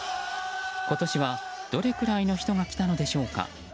今年はどれくらいの人が来たのでしょうか。